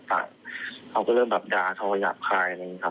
แล้วก็มาก่อเหตุอย่างที่คุณผู้ชมเห็นในคลิปนะคะ